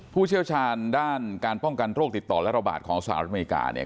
ผู้เชี่ยวชาญด้านการป้องกันโรคติดต่อและระบาดของสหรัฐอเมริกาเนี่ย